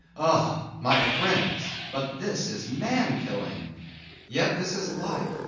Oh! my friends, but this is man killing! Yet this is life.